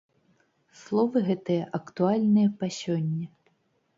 Словы гэтыя актуальныя па сёння!